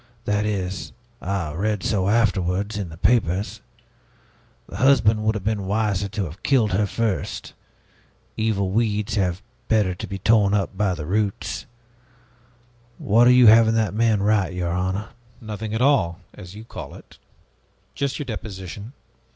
That is I read so afterwards, in the papers. The husband would have been wiser to have killed her first. Evil weeds had better be torn up by the roots. What are you having that man write, your honor?" "Nothing at all, as you call it. Just your deposition.